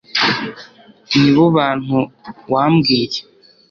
nibo bantu wambwiye